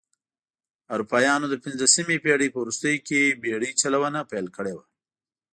اروپایانو د پنځلسمې پېړۍ په وروستیو کې بېړۍ چلونه پیل کړې وه.